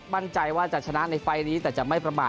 มั่นใจว่าจะชนะในไฟล์นี้แต่จะไม่ประมาท